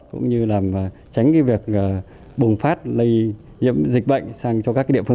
cũng như là tránh việc bùng phát lây nhiễm dịch